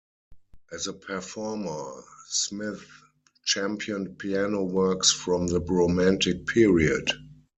As a performer, Smith championed piano works from the romantic period.